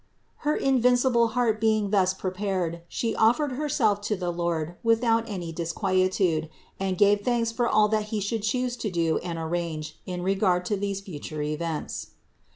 Her invincible heart being thus pre pared, She offered Herself to the Lord without any dis quietude and gave thanks for all that He should choose to do and arrange in regard to these future events.